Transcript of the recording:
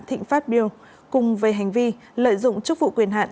thịnh phát biêu cùng về hành vi lợi dụng chức vụ quyền hạn